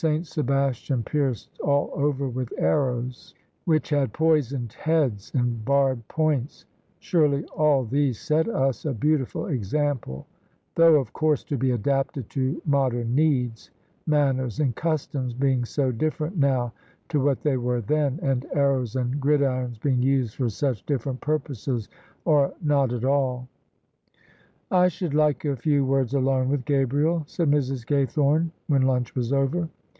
Sebastian pierced all over with arrows, which had poisoned heads and barbed points. Surely all these set us a beautiful example, thou^ of course to be Sidsupted to modem needs, manners and customs being so different now to what they were then, and arrows and gridirons being used for such different purposes or not at aU." "I should like a few words alone with Gabriel," said Mrs. Gaythome, when lunch was over.